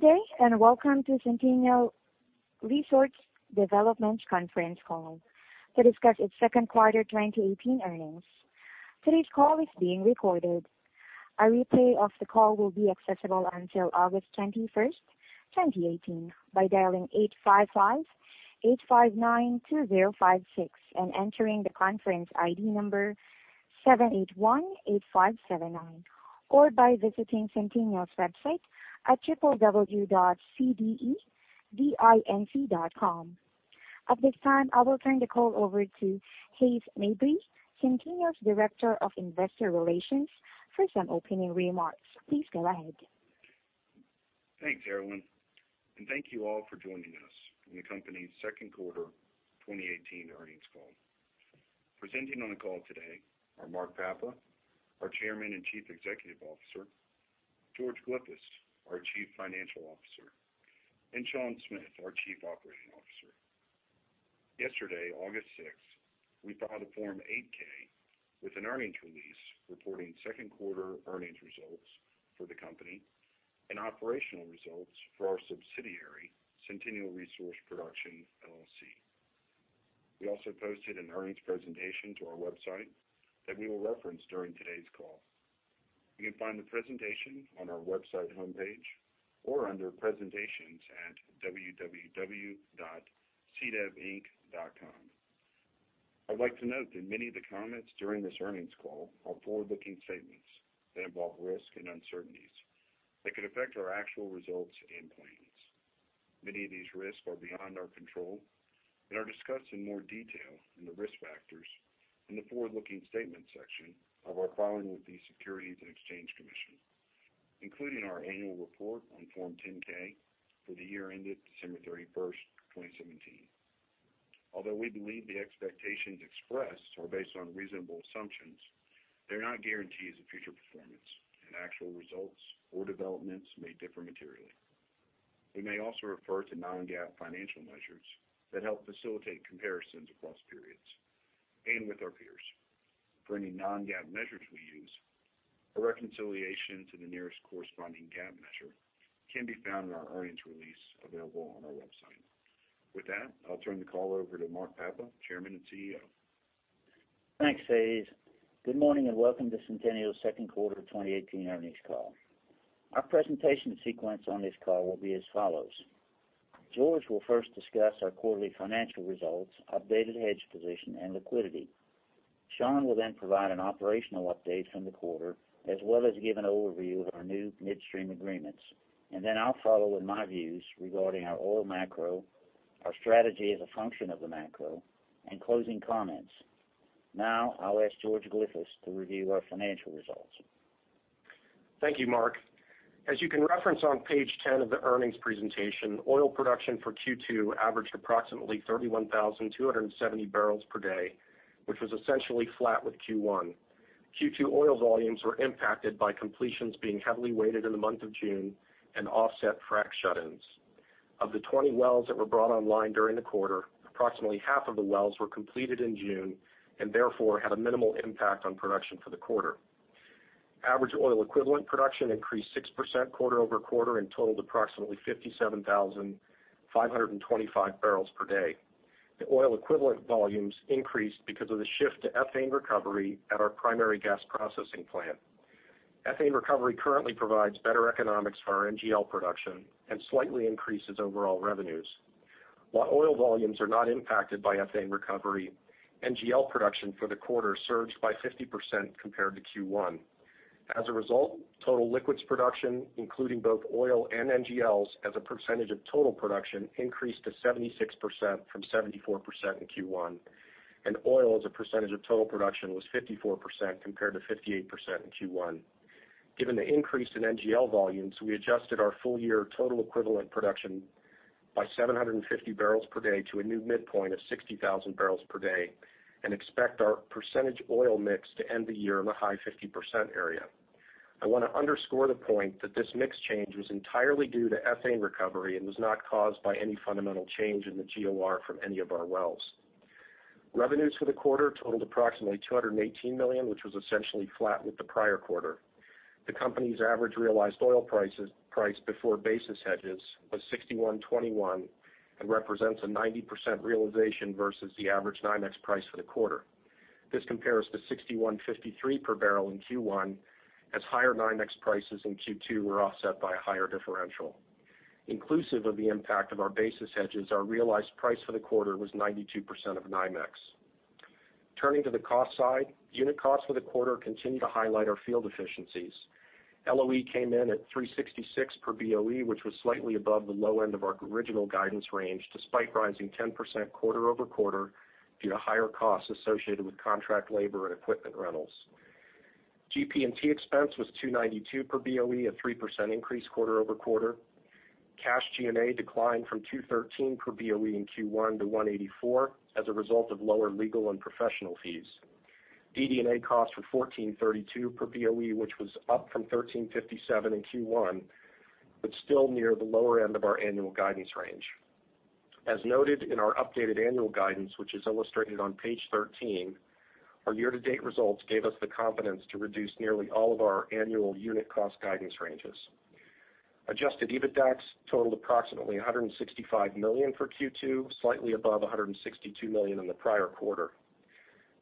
Good day, welcome to Centennial Resource Development's conference call to discuss its second quarter 2018 earnings. Today's call is being recorded. A replay of the call will be accessible until August 21st, 2018, by dialing 855-859-2056 and entering the conference ID number 7818579, or by visiting Centennial's website at www.cdevinc.com. At this time, I will turn the call over to Hays Mabry, Centennial's Director of Investor Relations, for some opening remarks. Please go ahead. Thanks, Arlene, thank you all for joining us on the company's second quarter 2018 earnings call. Presenting on the call today are Mark Papa, our Chairman and Chief Executive Officer, George Glyphis, our Chief Financial Officer, and Sean Smith, our Chief Operating Officer. Yesterday, August 6th, we filed a Form 8-K with an earnings release reporting second quarter earnings results for the company and operational results for our subsidiary, Centennial Resource Production, LLC. We also posted an earnings presentation to our website that we will reference during today's call. You can find the presentation on our website homepage or under presentations at www.cdevinc.com. I'd like to note that many of the comments during this earnings call are forward-looking statements that involve risk and uncertainties that could affect our actual results and plans. Many of these risks are beyond our control, are discussed in more detail in the risk factors in the forward-looking statements section of our filing with the Securities and Exchange Commission, including our annual report on Form 10-K for the year ended December 31st, 2017. Although we believe the expectations expressed are based on reasonable assumptions, they're not guarantees of future performance, actual results or developments may differ materially. We may also refer to non-GAAP financial measures that help facilitate comparisons across periods and with our peers. For any non-GAAP measures we use, a reconciliation to the nearest corresponding GAAP measure can be found in our earnings release available on our website. With that, I'll turn the call over to Mark Papa, Chairman and CEO. Thanks, Hays. Good morning, welcome to Centennial's second quarter 2018 earnings call. Our presentation sequence on this call will be as follows. George will first discuss our quarterly financial results, updated hedge position, and liquidity. Sean will provide an operational update from the quarter, as well as give an overview of our new midstream agreements, I'll follow with my views regarding our oil macro, our strategy as a function of the macro, and closing comments. I'll ask George Glyphis to review our financial results. Thank you, Mark. As you can reference on page 10 of the earnings presentation, oil production for Q2 averaged approximately 31,270 barrels per day, which was essentially flat with Q1. Q2 oil volumes were impacted by completions being heavily weighted in the month of June and offset frac shut-ins. Of the 20 wells that were brought online during the quarter, approximately half of the wells were completed in June and therefore had a minimal impact on production for the quarter. Average oil equivalent production increased 6% quarter-over-quarter and totaled approximately 57,525 barrels per day. The oil equivalent volumes increased because of the shift to ethane recovery at our primary gas processing plant. Ethane recovery currently provides better economics for our NGL production and slightly increases overall revenues. While oil volumes are not impacted by ethane recovery, NGL production for the quarter surged by 50% compared to Q1. As a result, total liquids production, including both oil and NGLs as a percentage of total production, increased to 76% from 74% in Q1. Oil as a percentage of total production was 54% compared to 58% in Q1. Given the increase in NGL volumes, we adjusted our full year total equivalent production by 750 barrels per day to a new midpoint of 60,000 barrels per day and expect our percentage oil mix to end the year in the high 50% area. I want to underscore the point that this mix change was entirely due to ethane recovery and was not caused by any fundamental change in the GOR from any of our wells. Revenues for the quarter totaled approximately $218 million, which was essentially flat with the prior quarter. The company's average realized oil price before basis hedges was $61.21 and represents a 90% realization versus the average NYMEX price for the quarter. This compares to $61.53 per barrel in Q1, as higher NYMEX prices in Q2 were offset by a higher differential. Inclusive of the impact of our basis hedges, our realized price for the quarter was 92% of NYMEX. Turning to the cost side, unit costs for the quarter continue to highlight our field efficiencies. LOE came in at $3.66 per BOE, which was slightly above the low end of our original guidance range, despite rising 10% quarter-over-quarter due to higher costs associated with contract labor and equipment rentals. GP&T expense was $2.92 per BOE, a 3% increase quarter-over-quarter. Cash G&A declined from $2.13 per BOE in Q1 to $1.84 as a result of lower legal and professional fees. DD&A costs were $14.32 per BOE, which was up from $13.57 in Q1, but still near the lower end of our annual guidance range. As noted in our updated annual guidance, which is illustrated on page 13, our year-to-date results gave us the confidence to reduce nearly all of our annual unit cost guidance ranges. Adjusted EBITDAX totaled approximately $165 million for Q2, slightly above $162 million in the prior quarter.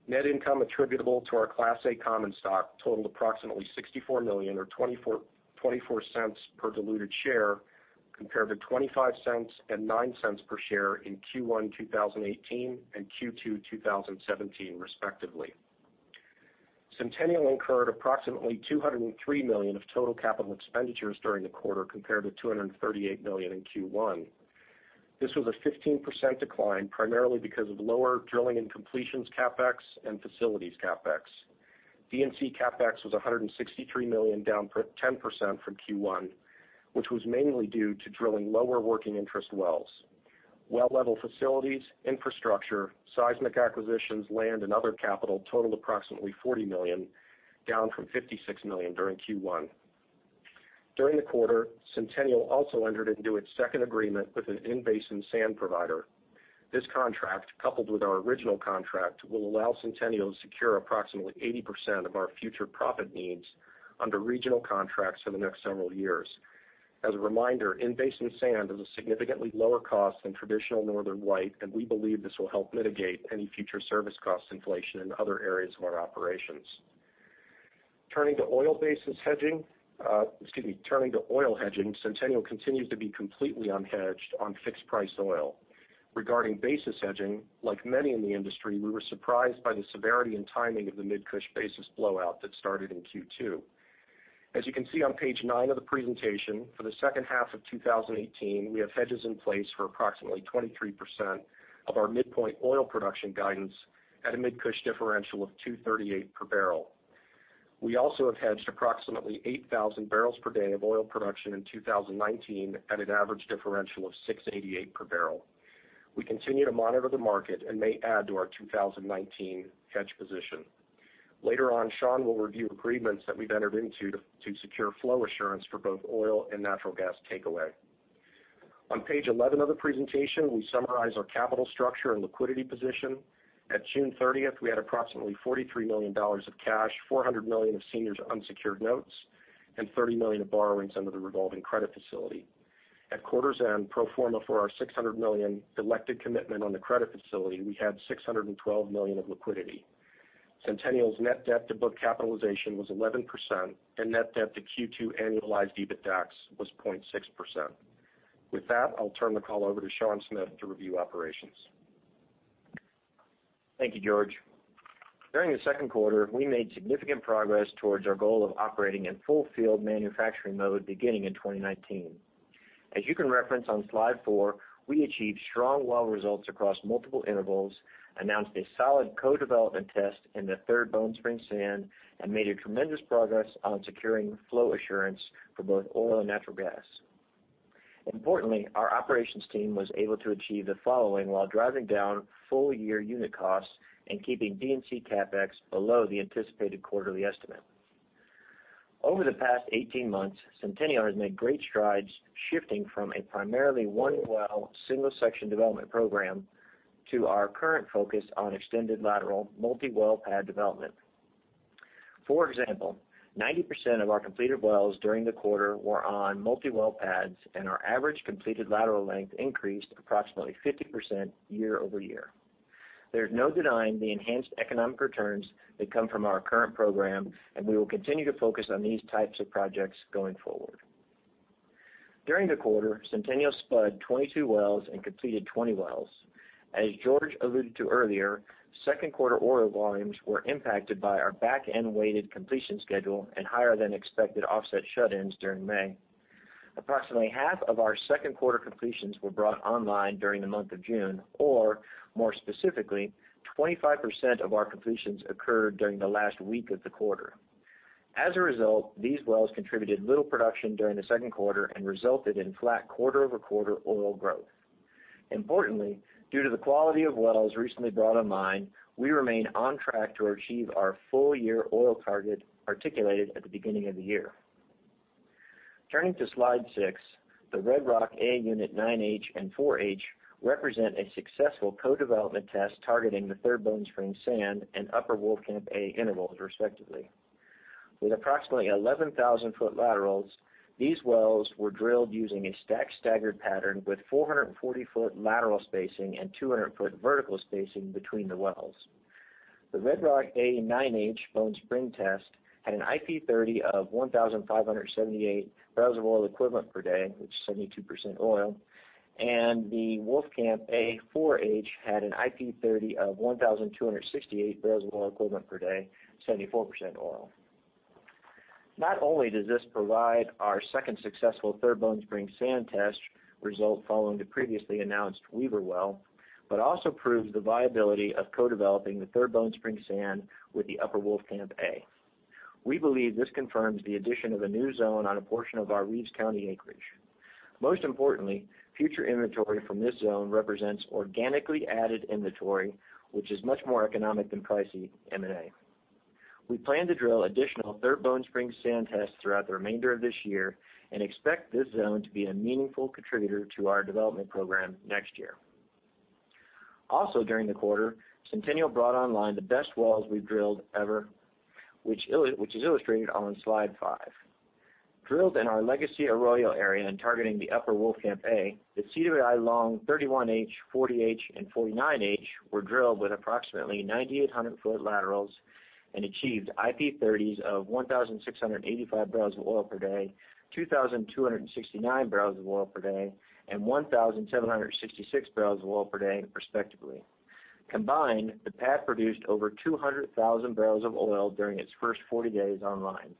Net income attributable to our Class A common stock totaled approximately $64 million or $0.24 per diluted share, compared to $0.25 and $0.09 per share in Q1 2018 and Q2 2017, respectively. Centennial incurred approximately $203 million of total capital expenditures during the quarter, compared to $238 million in Q1. This was a 15% decline, primarily because of lower drilling and completions CapEx and facilities CapEx. D&C CapEx was $163 million, down 10% from Q1, which was mainly due to drilling lower working interest wells. Well level facilities, infrastructure, seismic acquisitions, land, and other capital totaled approximately $40 million, down from $56 million during Q1. During the quarter, Centennial also entered into its second agreement with an in-basin sand provider. This contract, coupled with our original contract, will allow Centennial to secure approximately 80% of our future profit needs under regional contracts for the next several years. As a reminder, in-basin sand is a significantly lower cost than traditional Northern White, and we believe this will help mitigate any future service cost inflation in other areas of our operations. Turning to oil hedging, Centennial continues to be completely unhedged on fixed price oil. Regarding basis hedging, like many in the industry, we were surprised by the severity and timing of the MidCush basis blowout that started in Q2. As you can see on page nine of the presentation, for the second half of 2018, we have hedges in place for approximately 23% of our midpoint oil production guidance at a MidCush differential of $238 per barrel. We also have hedged approximately 8,000 barrels per day of oil production in 2019 at an average differential of $688 per barrel. We continue to monitor the market and may add to our 2019 hedge position. Later on, Sean will review agreements that we've entered into to secure flow assurance for both oil and natural gas takeaway. On page 11 of the presentation, we summarize our capital structure and liquidity position. At June 30th, we had approximately $43 million of cash, $400 million of senior unsecured notes, and $30 million of borrowings under the revolving credit facility. At quarter's end, pro forma for our $600 million committed amount on the credit facility, we had $612 million of liquidity. Centennial's net debt to book capitalization was 11%, and net debt to Q2 annualized EBITDAX was 0.6%. With that, I'll turn the call over to Sean Smith to review operations. Thank you, George. During the second quarter, we made significant progress towards our goal of operating in full field manufacturing mode beginning in 2019. As you can reference on slide four, we achieved strong well results across multiple intervals, announced a solid co-development test in the Third Bone Spring sand, and made a tremendous progress on securing flow assurance for both oil and natural gas. Importantly, our operations team was able to achieve the following while driving down full-year unit costs and keeping D&C CapEx below the anticipated quarterly estimate. Over the past 18 months, Centennial has made great strides shifting from a primarily one-well, single-section development program to our current focus on extended lateral multi-well pad development. For example, 90% of our completed wells during the quarter were on multi-well pads, and our average completed lateral length increased approximately 50% year-over-year. There's no denying the enhanced economic returns that come from our current program, and we will continue to focus on these types of projects going forward. During the quarter, Centennial spud 22 wells and completed 20 wells. As George alluded to earlier, second quarter oil volumes were impacted by our back-end-weighted completion schedule and higher than expected offset shut-ins during May. Approximately half of our second quarter completions were brought online during the month of June, or more specifically, 25% of our completions occurred during the last week of the quarter. As a result, these wells contributed little production during the second quarter and resulted in flat quarter-over-quarter oil growth. Importantly, due to the quality of wells recently brought online, we remain on track to achieve our full-year oil target articulated at the beginning of the year. Turning to slide 6, the Red Rock A unit 9H and 4H represent a successful co-development test targeting the Third Bone Spring sand and Upper Wolfcamp A intervals, respectively. With approximately 11,000-foot laterals, these wells were drilled using a stacked staggered pattern with 440-foot lateral spacing and 200-foot vertical spacing between the wells. The Red Rock A 9H Bone Spring test had an IP30 of 1,578 barrels of oil equivalent per day, which is 72% oil, and the Wolfcamp A 4H had an IP30 of 1,268 barrels of oil equivalent per day, 74% oil. Not only does this provide our second successful Third Bone Spring sand test result following the previously announced Weaver well, but also proves the viability of co-developing the Third Bone Spring sand with the Upper Wolfcamp A. We believe this confirms the addition of a new zone on a portion of our Reeves County acreage. Most importantly, future inventory from this zone represents organically added inventory, which is much more economic than pricey M&A. We plan to drill additional Third Bone Spring sand tests throughout the remainder of this year and expect this zone to be a meaningful contributor to our development program next year. Also during the quarter, Centennial brought online the best wells we've drilled ever, which is illustrated on Slide five. Drilled in our legacy Arroyo area and targeting the Upper Wolfcamp A, the CWI long 31H, 40H, and 49H were drilled with approximately 9,800-foot laterals and achieved IP30s of 1,685 barrels of oil per day, 2,269 barrels of oil per day, and 1,766 barrels of oil per day respectively. Combined, the pad produced over 200,000 barrels of oil during its first 40 days online.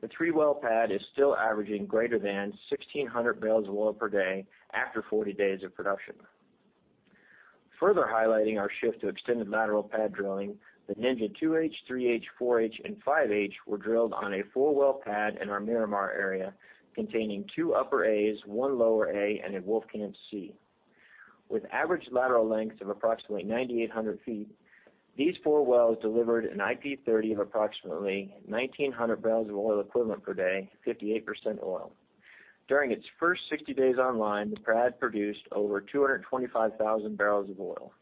The three-well pad is still averaging greater than 1,600 barrels of oil per day after 40 days of production. Further highlighting our shift to extended lateral pad drilling, the Ninja 2H, 3H, 4H, and 5H were drilled on a four-well pad in our Miramar area, containing two Upper As, one Lower A, and a Wolfcamp C. With average lateral lengths of approximately 9,800 feet, these four wells delivered an IP30 of approximately 1,900 barrels of oil equivalent per day, 58% oil. During its first 60 days online, the pad produced over 225,000 barrels of oil.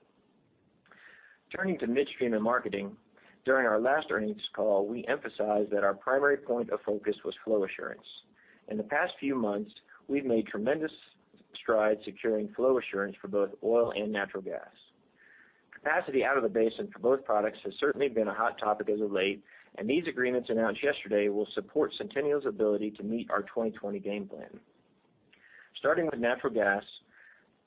Turning to midstream and marketing, during our last earnings call, we emphasized that our primary point of focus was flow assurance. In the past few months, we've made tremendous strides securing flow assurance for both oil and natural gas. Capacity out of the basin for both products has certainly been a hot topic as of late. These agreements announced yesterday will support Centennial's ability to meet our 2020 game plan. Starting with natural gas,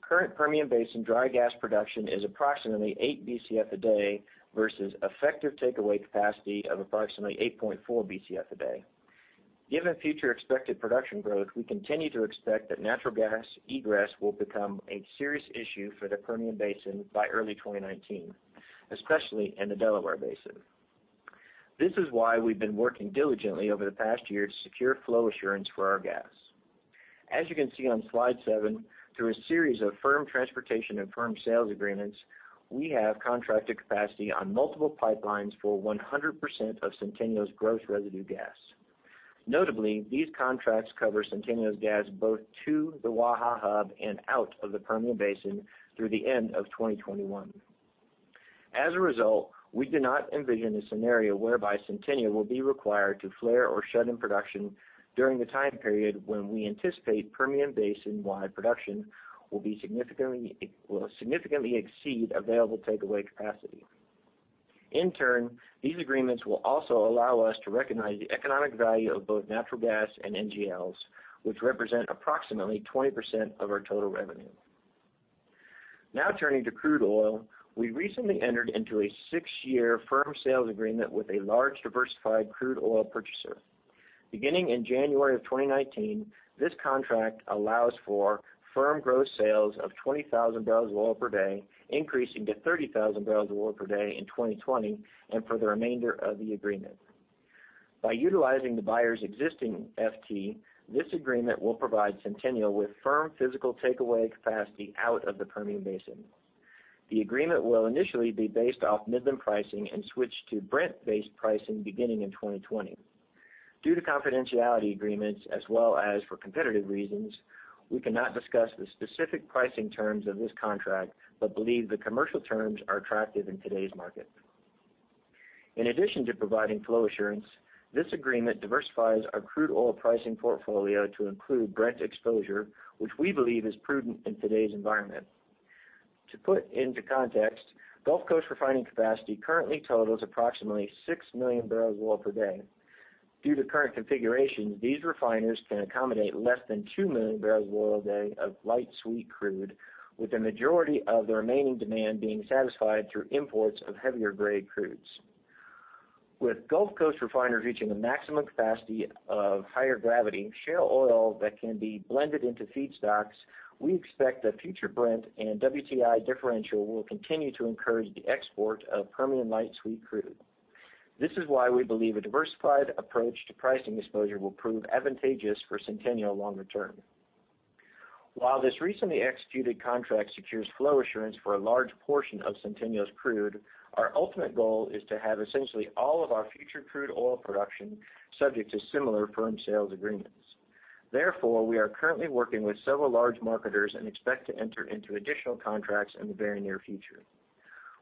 current Permian Basin dry gas production is approximately 8 Bcf a day versus effective takeaway capacity of approximately 8.4 Bcf a day. Given future expected production growth, we continue to expect that natural gas egress will become a serious issue for the Permian Basin by early 2019, especially in the Delaware Basin. This is why we've been working diligently over the past year to secure flow assurance for our gas. As you can see on Slide seven, through a series of firm transportation and firm sales agreements, we have contracted capacity on multiple pipelines for 100% of Centennial's gross residue gas. Notably, these contracts cover Centennial's gas both to the WAHA hub and out of the Permian Basin through the end of 2021. As a result, we do not envision a scenario whereby Centennial will be required to flare or shut in production during the time period when we anticipate Permian Basin-wide production will significantly exceed available takeaway capacity. In turn, these agreements will also allow us to recognize the economic value of both natural gas and NGLs, which represent approximately 20% of our total revenue. Now turning to crude oil, we recently entered into a six-year firm sales agreement with a large diversified crude oil purchaser. Beginning in January of 2019, this contract allows for firm gross sales of 20,000 barrels of oil per day, increasing to 30,000 barrels of oil per day in 2020 and for the remainder of the agreement. By utilizing the buyer's existing FT, this agreement will provide Centennial with firm physical takeaway capacity out of the Permian Basin. The agreement will initially be based off Midland pricing and switch to Brent-based pricing beginning in 2020. Due to confidentiality agreements as well as for competitive reasons, we cannot discuss the specific pricing terms of this contract but believe the commercial terms are attractive in today's market. In addition to providing flow assurance, this agreement diversifies our crude oil pricing portfolio to include Brent exposure, which we believe is prudent in today's environment. To put into context, Gulf Coast refining capacity currently totals approximately 6 million barrels of oil per day. Due to current configurations, these refiners can accommodate less than 2 million barrels of oil a day of light sweet crude, with the majority of the remaining demand being satisfied through imports of heavier-grade crudes. With Gulf Coast refiners reaching the maximum capacity of higher-gravity shale oil that can be blended into feedstocks, we expect the future Brent and WTI differential will continue to encourage the export of Permian light sweet crude. This is why we believe a diversified approach to pricing exposure will prove advantageous for Centennial longer term. While this recently executed contract secures flow assurance for a large portion of Centennial's crude, our ultimate goal is to have essentially all of our future crude oil production subject to similar firm sales agreements. Therefore, we are currently working with several large marketers and expect to enter into additional contracts in the very near future.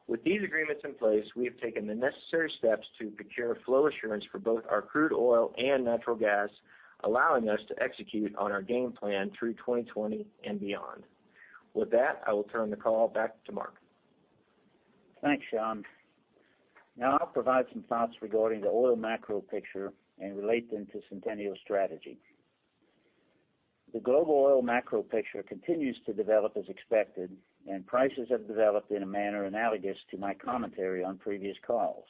With these agreements in place, we have taken the necessary steps to procure flow assurance for both our crude oil and natural gas, allowing us to execute on our game plan through 2020 and beyond. With that, I will turn the call back to Mark Papa. Thanks, Sean Smith. Now I'll provide some thoughts regarding the oil macro picture and relate them to Centennial strategy. The global oil macro picture continues to develop as expected, and prices have developed in a manner analogous to my commentary on previous calls.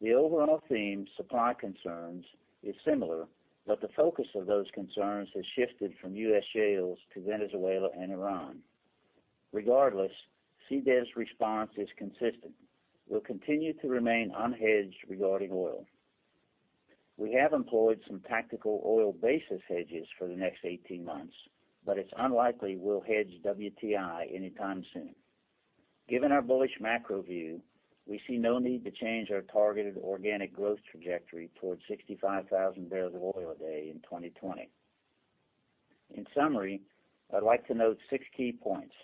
The overall theme, supply concerns, is similar, but the focus of those concerns has shifted from U.S. shales to Venezuela and Iran. Regardless, CDEV's response is consistent. We'll continue to remain unhedged regarding oil. We have employed some tactical oil basis hedges for the next 18 months, but it's unlikely we'll hedge WTI anytime soon. Given our bullish macro view, we see no need to change our targeted organic growth trajectory towards 65,000 barrels of oil a day in 2020. In summary, I'd like to note six key points.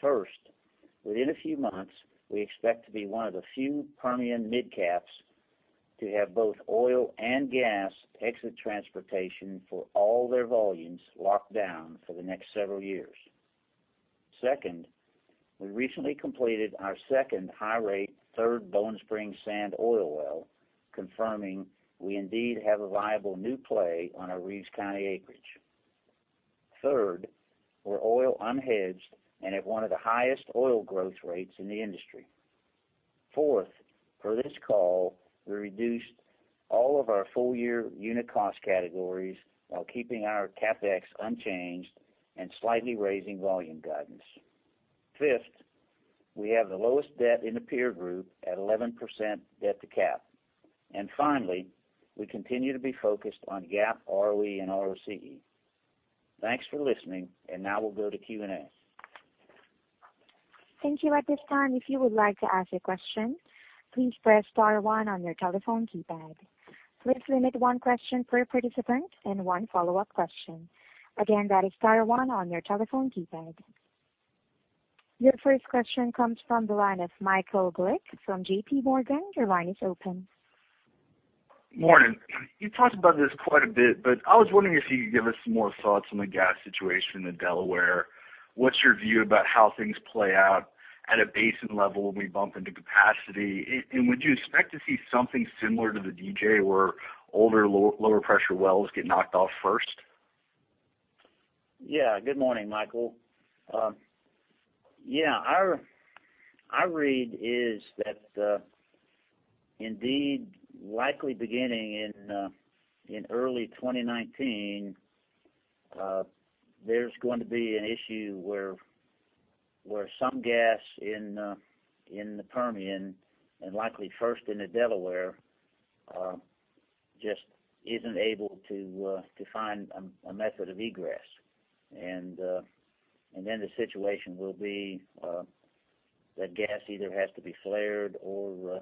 First, within a few months, we expect to be one of the few Permian midcaps to have both oil and gas exit transportation for all their volumes locked down for the next several years. Second, we recently completed our second high-rate Third Bone Spring Sand oil well, confirming we indeed have a viable new play on our Reeves County acreage. Third, we're oil unhedged and at one of the highest oil growth rates in the industry. Fourth, for this call, we reduced all of our full-year unit cost categories while keeping our CapEx unchanged and slightly raising volume guidance. Fifth, we have the lowest debt in the peer group at 11% debt to cap. Finally, we continue to be focused on GAAP ROE and ROCE. Thanks for listening, we'll go to Q&A. Thank you. At this time, if you would like to ask a question, please press star one on your telephone keypad. Please limit one question per participant and one follow-up question. Again, that is star one on your telephone keypad. Your first question comes from the line of Michael Glick from JPMorgan. Your line is open. Morning. You talked about this quite a bit, I was wondering if you could give us some more thoughts on the gas situation in Delaware. What's your view about how things play out at a basin level when we bump into capacity? Would you expect to see something similar to the DJ, where older, lower pressure wells get knocked off first? Yeah. Good morning, Michael. Yeah, our read is that indeed, likely beginning in early 2019, there is going to be an issue where some gas in the Permian, likely first into Delaware, just isn't able to find a method of egress. The situation will be that gas either has to be flared or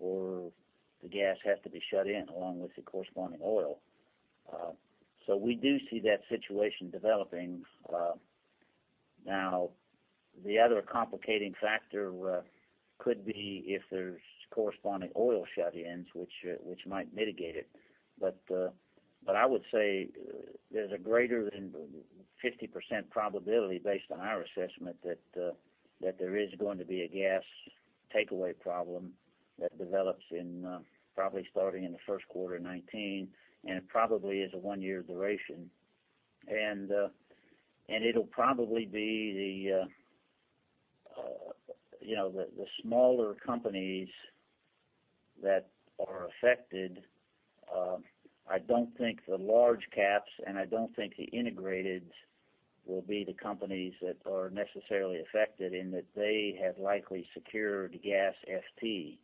the gas has to be shut in along with the corresponding oil. We do see that situation developing. Now, the other complicating factor could be if there is corresponding oil shut-ins, which might mitigate it. I would say there is a greater than 50% probability based on our assessment that there is going to be a gas takeaway problem that develops probably starting in the first quarter of 2019, it probably is a one-year duration. It will probably be the smaller companies that are affected. I don't think the large caps, I don't think the integrated will be the companies that are necessarily affected, in that they have likely secured gas FT.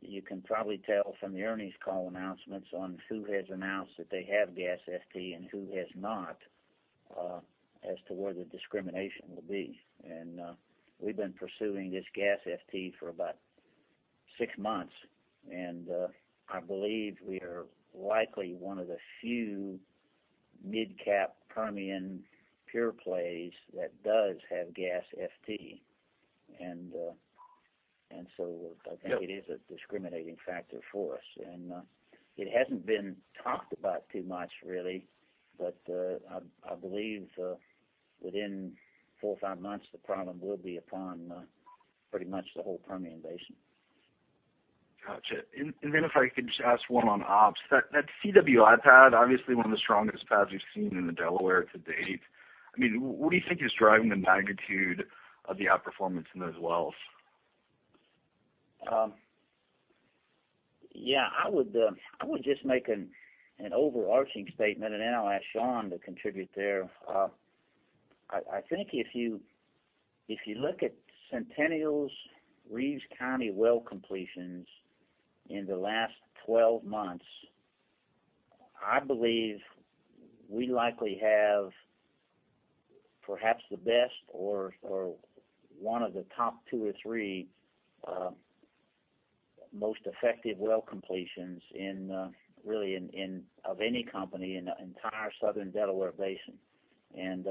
You can probably tell from the earnings call announcements on who has announced that they have gas FT and who has not as to where the discrimination will be. We have been pursuing this gas FT for about six months, I believe we are likely one of the few midcap Permian pure plays that does have gas FT. I think it is a discriminating factor for us, it hasn't been talked about too much really, I believe within four or five months, the problem will be upon pretty much the whole Permian Basin. Got you. If I could just ask one on ops. That CWI pad, obviously one of the strongest pads we have seen in the Delaware to date. What do you think is driving the magnitude of the outperformance in those wells? Yeah. I would just make an overarching statement, and then I'll ask Sean to contribute there. I think if you look at Centennial's Reeves County well completions in the last 12 months, I believe we likely have perhaps the best or one of the top two or three most effective well completions of any company in the entire Southern Delaware Basin.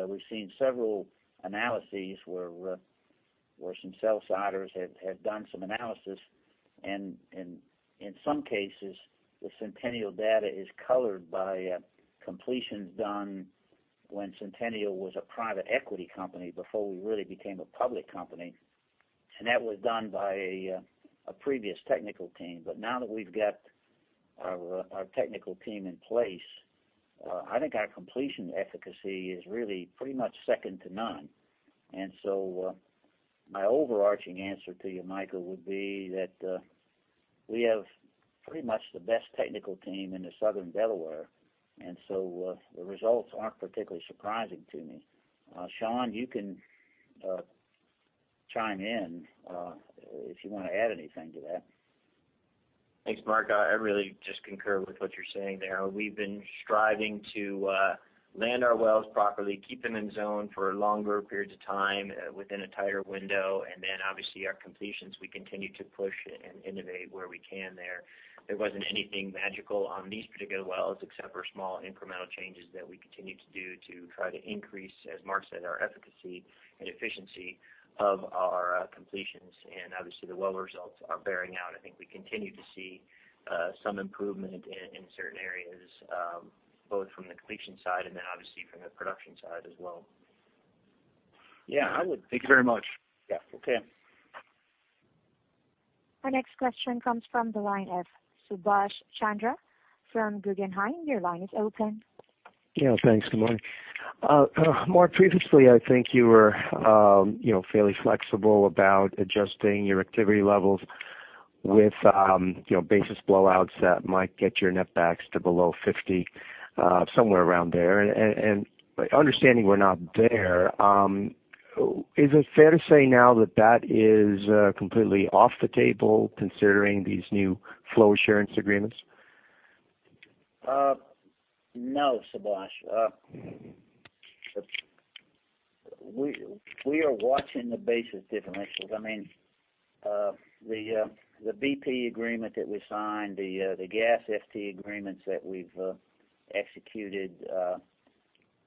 We've seen several analyses where some sell-siders have done some analysis, and in some cases, the Centennial data is colored by completions done when Centennial was a private equity company, before we really became a public company, and that was done by a previous technical team. Now that we've got our technical team in place, I think our completion efficacy is really pretty much second to none. My overarching answer to you, Michael, would be that we have pretty much the best technical team in the Southern Delaware, and so the results aren't particularly surprising to me. Sean, you can elaborate. Chime in if you want to add anything to that. Thanks, Mark. I really just concur with what you're saying there. We've been striving to land our wells properly, keep them in zone for longer periods of time within a tighter window, and then obviously our completions, we continue to push and innovate where we can there. There wasn't anything magical on these particular wells, except for small incremental changes that we continue to do to try to increase, as Mark said, our efficacy and efficiency of our completions. Obviously the well results are bearing out. I think we continue to see some improvement in certain areas, both from the completion side and then obviously from the production side as well. Yeah. Thank you very much. Yeah. Okay. Our next question comes from the line of Subash Chandra from Guggenheim. Your line is open. Yeah. Thanks. Good morning. Mark, previously, I think you were fairly flexible about adjusting your activity levels with basis blowouts that might get your netbacks to below $50, somewhere around there. Understanding we're not there, is it fair to say now that that is completely off the table considering these new flow assurance agreements? No, Subash. We are watching the basis differentials. The BP agreement that we signed, the gas FT agreements that we've executed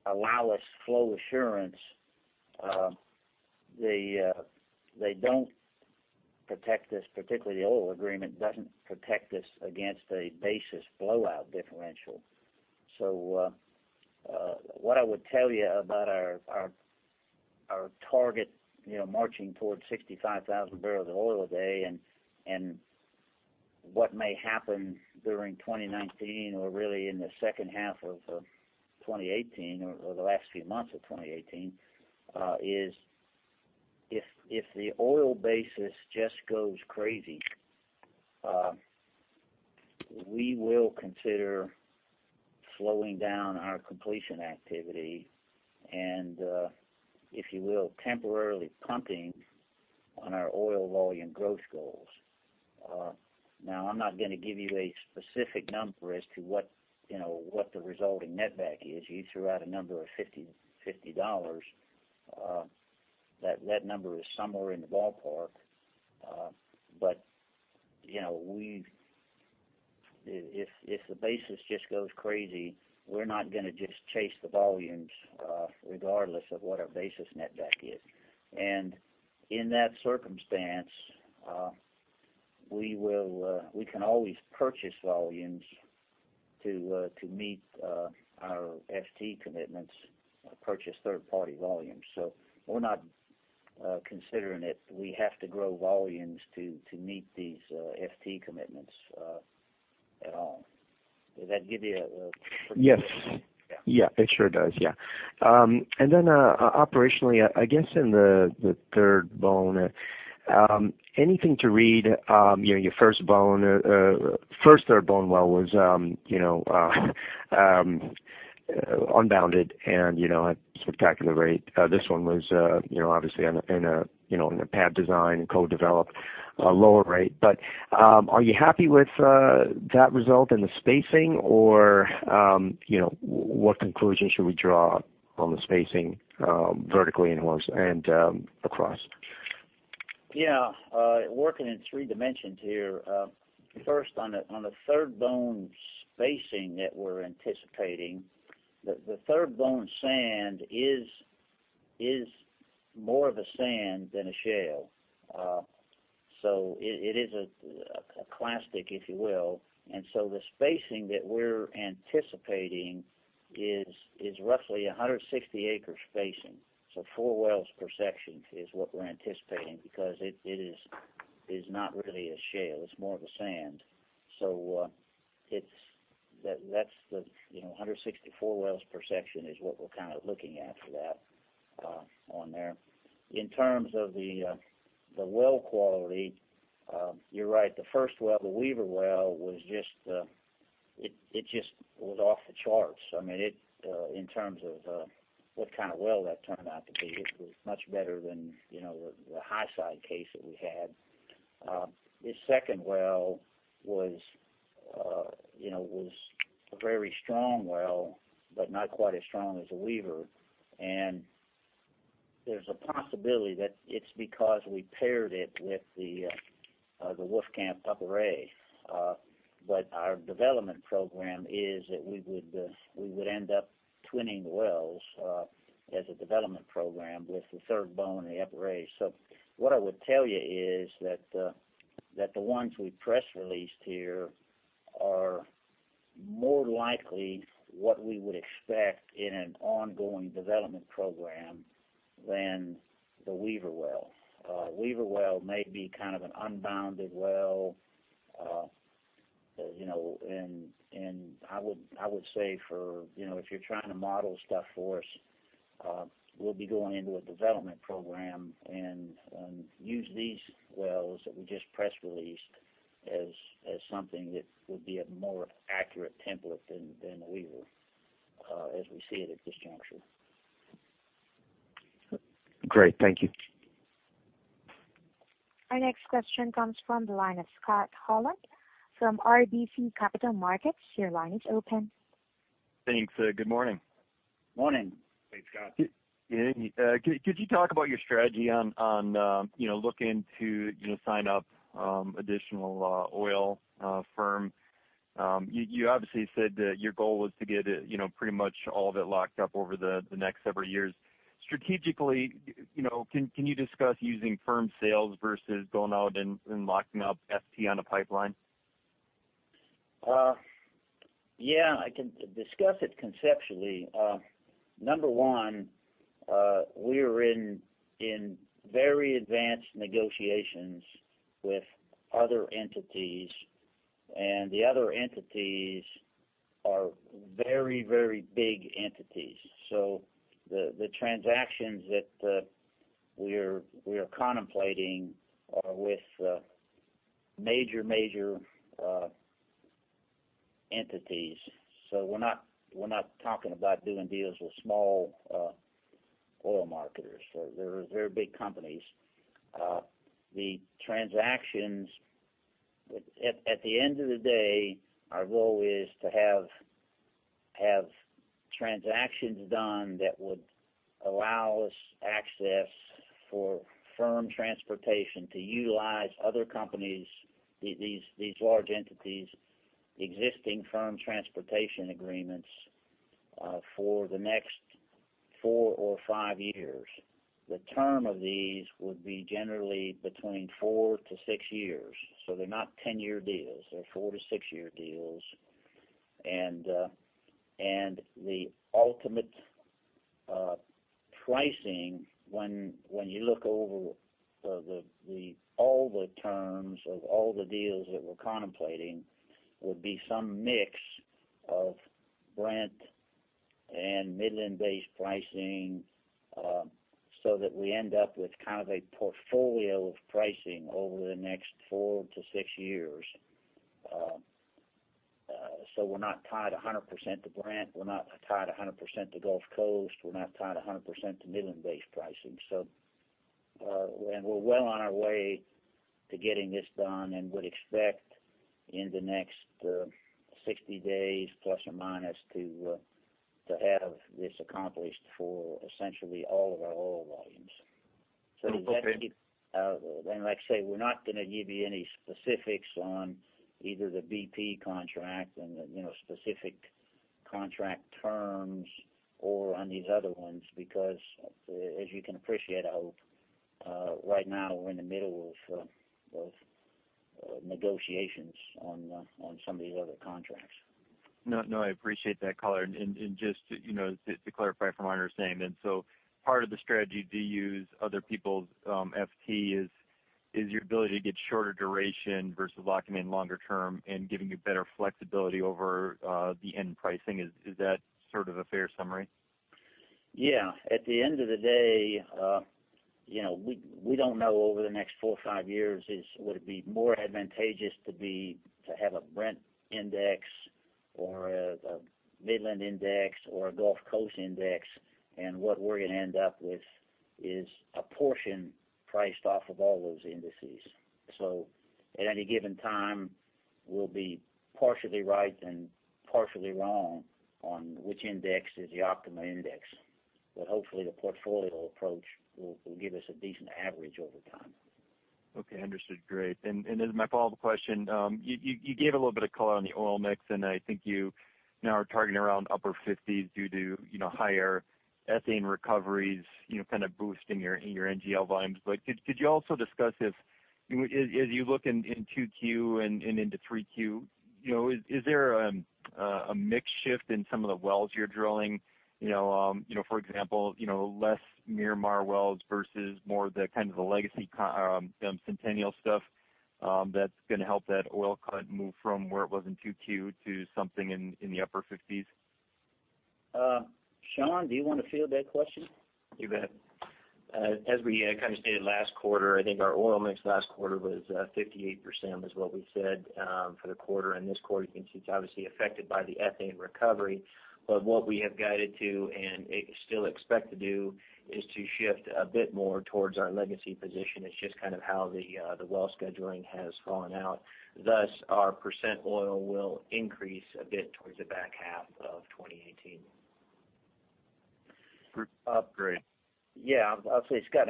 allow us flow assurance. They don't protect us, particularly the oil agreement doesn't protect us against a basis blowout differential. What I would tell you about our target marching towards 65,000 barrels of oil a day and what may happen during 2019 or really in the second half of 2018, or the last few months of 2018, is if the oil basis just goes crazy, we will consider slowing down our completion activity and, if you will, temporarily pumping on our oil volume growth goals. Now, I'm not going to give you a specific number as to what the resulting netback is. You threw out a number of $50. That number is somewhere in the ballpark. If the basis just goes crazy, we're not going to just chase the volumes regardless of what our basis netback is. In that circumstance, we can always purchase volumes to meet our FT commitments, purchase third-party volumes. We're not considering it. We have to grow volumes to meet these FT commitments at all. Yes. Yeah. It sure does. Yes. Operationally, I guess in the Third Bone, anything to read, your first Third Bone well was unbounded and at spectacular rate. This one was obviously in a pad design and co-developed a lower rate. Are you happy with that result and the spacing, or what conclusion should we draw on the spacing vertically and across? Working in three dimensions here. First, on the Third Bone spacing that we're anticipating, the Third Bone sand is more of a sand than a shale. It is a clastic, if you will. The spacing that we're anticipating is roughly 160-acre spacing. Four wells per section is what we're anticipating because it is not really a shale, it's more of a sand. 164 wells per section is what we're looking at for that on there. In terms of the well quality, you're right, the first well, the Weaver well, it just was off the charts. In terms of what kind of well that turned out to be, it was much better than the high side case that we had. The second well was a very strong well, but not quite as strong as the Weaver, and there's a possibility that it's because we paired it with the Wolfcamp Upper A. Our development program is that we would end up twinning the wells as a development program with the Third Bone and the Upper A. What I would tell you is that the ones we press released here are more likely what we would expect in an ongoing development program than the Weaver well. Weaver well may be an unbounded well. I would say if you're trying to model stuff for us, we'll be going into a development program and use these wells that we just press released as something that would be a more accurate template than the Weaver. As we see it at this juncture. Great. Thank you. Our next question comes from the line of Scott Hanold from RBC Capital Markets. Your line is open. Thanks. Good morning. Morning. Hey, Scott. Could you talk about your strategy on looking to sign up additional oil firm? You obviously said that your goal was to get pretty much all of it locked up over the next several years. Strategically, can you discuss using firm sales versus going out and locking up FT on a pipeline? I can discuss it conceptually. Number one, we are in very advanced negotiations with other entities, and the other entities are very big entities. The transactions that we are contemplating are with major entities. We're not talking about doing deals with small oil marketers. They're big companies. At the end of the day, our goal is to have transactions done that would allow us access for firm transportation to utilize other companies, these large entities, existing firm transportation agreements, for the next four or five years. The term of these would be generally between four to six years. They're not 10-year deals. They're 4- to 6-year deals. The ultimate pricing, when you look over all the terms of all the deals that we're contemplating, would be some mix of Brent and Midland-based pricing, so that we end up with a portfolio of pricing over the next four to six years. We're not tied 100% to Brent, we're not tied 100% to Gulf Coast, we're not tied 100% to Midland-based pricing. We're well on our way to getting this done and would expect in the next 60 days, plus or minus, to have this accomplished for essentially all of our oil volumes. Okay. Like I say, we're not going to give you any specifics on either the BP contract and the specific contract terms or on these other ones, because as you can appreciate, I hope, right now we're in the middle of negotiations on some of these other contracts. No, I appreciate that color. Just to clarify for my understanding then, so part of the strategy to use other people's FT is your ability to get shorter duration versus locking in longer term and giving you better flexibility over the end pricing. Is that sort of a fair summary? Yeah. At the end of the day, we don't know over the next four or five years, would it be more advantageous to have a Brent index or a Midland index or a Gulf Coast index? What we're going to end up with is a portion priced off of all those indices. At any given time, we'll be partially right and partially wrong on which index is the optimum index. Hopefully the portfolio approach will give us a decent average over time. Okay, understood. Great. My follow-up question, you gave a little bit of color on the oil mix, and I think you now are targeting around upper 50s due to higher ethane recoveries, boosting your NGL volumes. Could you also discuss if, as you look in 2Q and into 3Q, is there a mix shift in some of the wells you're drilling? For example, less Miramar wells versus more of the legacy Centennial stuff that's going to help that oil cut move from where it was in 2Q to something in the upper 50s? Sean, do you want to field that question? You bet. As we stated last quarter, I think our oil mix last quarter was 58%, is what we said for the quarter. This quarter, you can see it's obviously affected by the ethane recovery. What we have guided to, and still expect to do, is to shift a bit more towards our legacy position. It's just how the well scheduling has fallen out. Thus, our percent oil will increase a bit towards the back half of 2018. Great. Yeah. I'll say, Scott,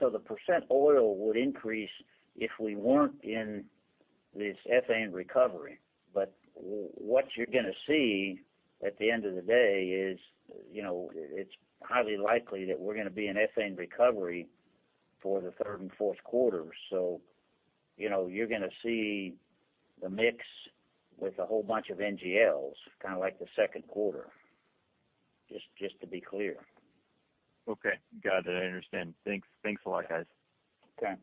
the percent oil would increase if we weren't in this ethane recovery. What you're going to see at the end of the day is, it's highly likely that we're going to be in ethane recovery for the third and fourth quarters. You're going to see the mix with a whole bunch of NGLs, like the second quarter. Just to be clear. Okay. Got it. I understand. Thanks a lot, guys. Okay.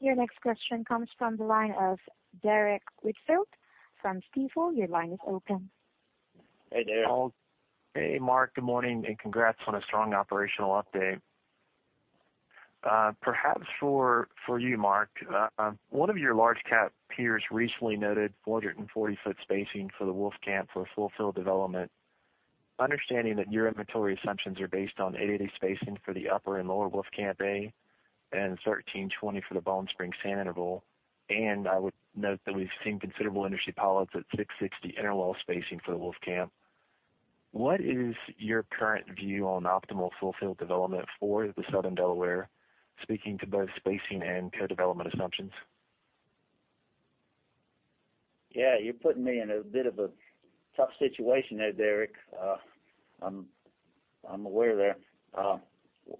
Your next question comes from the line of Derrick Whitfield from Stifel. Your line is open. Hey, Derrick. Hey, Mark. Good morning. Congrats on a strong operational update. Perhaps for you, Mark. One of your large cap peers recently noted 440-foot spacing for the Wolfcamp for full field development. Understanding that your inventory assumptions are based on 880 spacing for the upper and lower Wolfcamp A, 1320 for the Bone Spring Sand Interval. I would note that we've seen considerable industry pilots at 660 interval spacing for the Wolfcamp. What is your current view on optimal full field development for the Southern Delaware, speaking to both spacing and co-development assumptions? Yeah, you're putting me in a bit of a tough situation there, Derrick Whitfield. I'm aware there.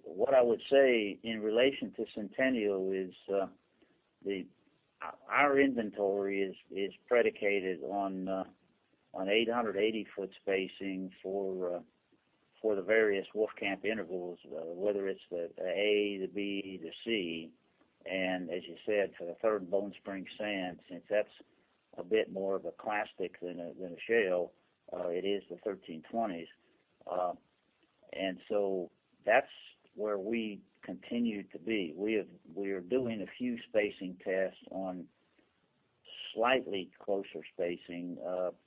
What I would say in relation to Centennial is, our inventory is predicated on 880-foot spacing for the various Wolfcamp intervals, whether it's the A, the B, the C, and as you said, for the Third Bone Spring Sand, since that's a bit more of a clastic than a shale, it is the 1320s. That's where we continue to be. We are doing a few spacing tests on slightly closer spacing,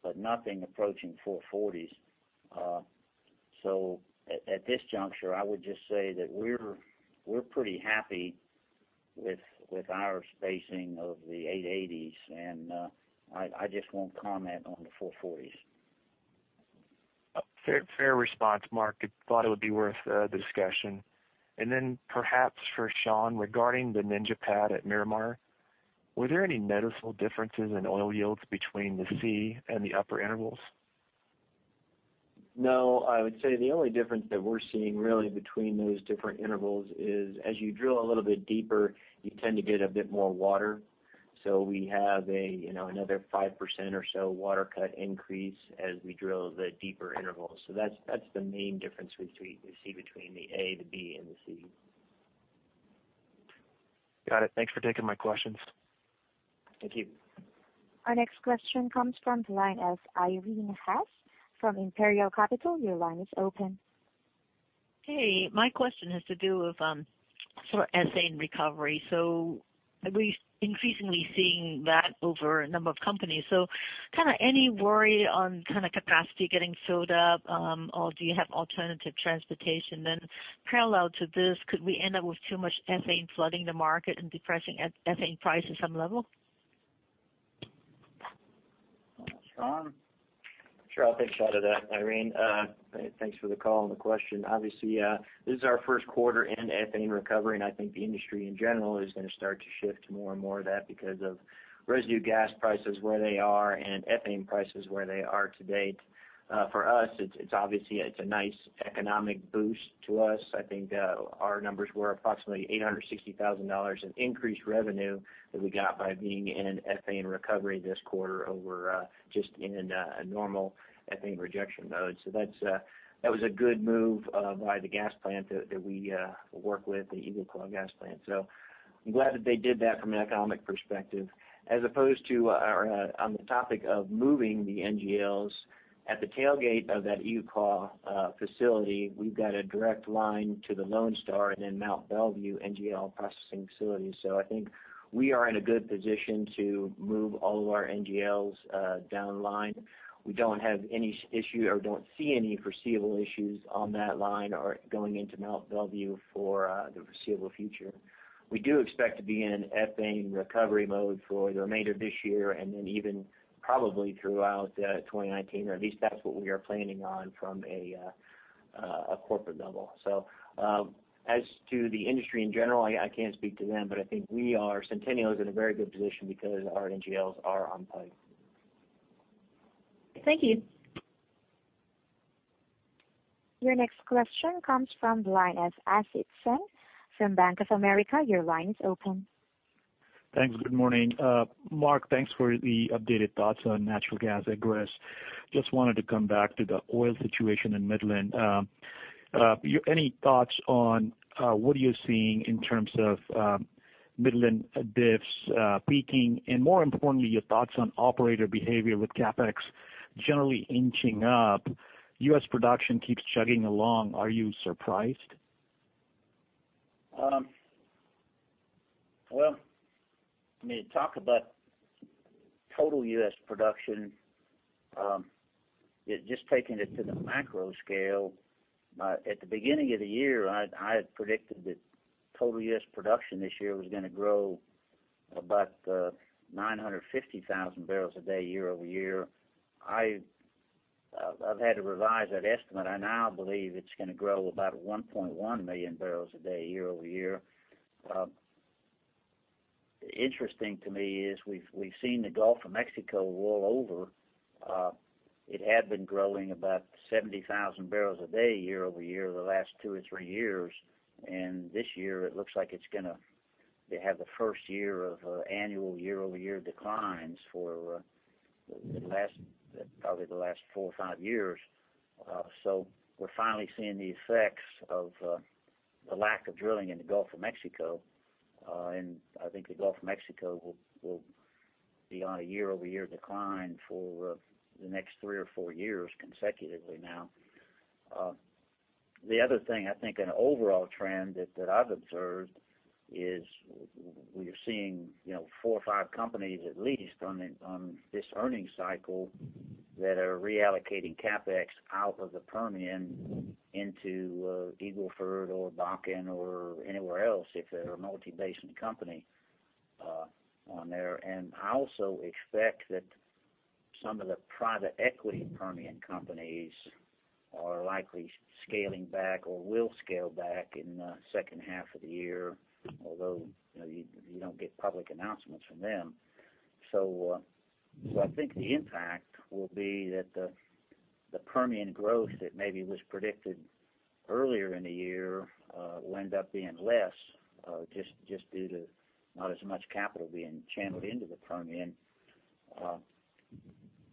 but nothing approaching 440s. At this juncture, I would just say that we're pretty happy with our spacing of the 880s. I just won't comment on the 440s. Fair response, Mark. I thought it would be worth a discussion. Perhaps for Sean Smith, regarding the Ninja pad at Miramar, were there any noticeable differences in oil yields between the C and the upper intervals? No. I would say the only difference that we're seeing really between those different intervals is as you drill a little bit deeper, you tend to get a bit more water. We have another 5% or so water cut increase as we drill the deeper intervals. That's the main difference we see between the A, the B, and the C. Got it. Thanks for taking my questions. Thank you. Our next question comes from the line of Irene Haas from Imperial Capital. Your line is open. Hey. My question has to do with sort of ethane recovery. We're increasingly seeing that over a number of companies. Any worry on capacity getting filled up? Do you have alternative transportation then? Parallel to this, could we end up with too much ethane flooding the market and depressing ethane price at some level? Sean? Sure. I'll take a shot at that, Irene. Thanks for the call and the question. Obviously, this is our first quarter in ethane recovery, and I think the industry in general is going to start to shift more and more of that because of residue gas prices where they are and ethane prices where they are to date. For us, obviously it's a nice economic boost to us. I think our numbers were approximately $860,000 in increased revenue that we got by being in ethane recovery this quarter over just in a normal ethane rejection mode. That was a good move by the gas plant that we work with, the EagleClaw Gas Plant. I'm glad that they did that from an economic perspective as opposed to on the topic of moving the NGLs. At the tailgate of that EagleClaw facility, we've got a direct line to the Lone Star and then Mont Belvieu NGL processing facilities. I think we are in a good position to move all of our NGLs down the line. We don't have any issue or don't see any foreseeable issues on that line or going into Mont Belvieu for the foreseeable future. We do expect to be in ethane recovery mode for the remainder of this year, and then even probably throughout 2019, or at least that's what we are planning on from a corporate level. As to the industry in general, I can't speak to them, but I think Centennial is in a very good position because our NGLs are on pipe. Thank you. Your next question comes from the line of Asit Sen from Bank of America. Your line is open. Thanks. Good morning. Mark, thanks for the updated thoughts on natural gas egress. Just wanted to come back to the oil situation in Midland. Any thoughts on what you're seeing in terms of Midland diffs peaking and more importantly, your thoughts on operator behavior with CapEx generally inching up? U.S. production keeps chugging along. Are you surprised? To talk about total U.S. production, just taking it to the macro scale, at the beginning of the year, I had predicted that total U.S. production this year was going to grow about 950,000 barrels a day year-over-year. I've had to revise that estimate. I now believe it's going to grow about 1.1 million barrels a day year-over-year. Interesting to me is we've seen the Gulf of Mexico roll over. It had been growing about 70,000 barrels a day year-over-year the last two or three years, and this year it looks like it's going to have the first year of annual year-over-year declines for probably the last four or five years. We're finally seeing the effects of the lack of drilling in the Gulf of Mexico. I think the Gulf of Mexico will be on a year-over-year decline for the next three or four years consecutively now. The other thing, I think an overall trend that I've observed is we are seeing four or five companies, at least, on this earnings cycle that are reallocating CapEx out of the Permian into Eagle Ford or Bakken or anywhere else, if they're a multi-basin company on there. I also expect that some of the private equity Permian companies are likely scaling back or will scale back in the second half of the year, although, you don't get public announcements from them. I think the impact will be that the Permian growth that maybe was predicted earlier in the year will end up being less, just due to not as much capital being channeled into the Permian.